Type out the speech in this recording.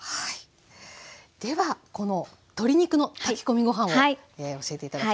ではこの鶏肉の炊き込みご飯を教えて頂きます。